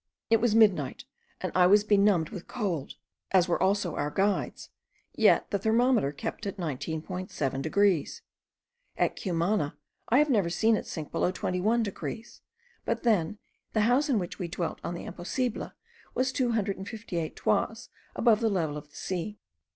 It was midnight, and I was benumbed with cold, as were also our guides: yet the thermometer kept at 19.7 degrees. At Cumana I have never seen it sink below 21 degrees; but then the house in which we dwelt on the Imposible was 258 toises above the level of the sea.